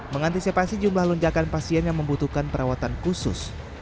mengantisipasi jumlah lonjakan pasien yang membutuhkan perawatan khusus